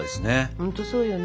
本当そうよね。